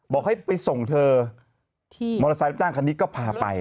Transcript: บอกให้ไปส่งเธอที่มอเตอร์ไซค์รับจ้างคันนี้ก็พาไป